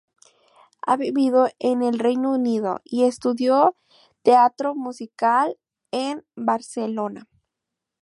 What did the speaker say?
Ha vivido en el Reino Unido y estudió teatro musical en Barcelona.